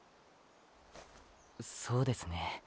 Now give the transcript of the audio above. そうですね。